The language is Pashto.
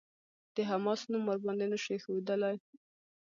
د «حماس» نوم ورباندې نه شو ايښودلای.